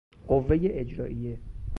قوهٔ اجرائیه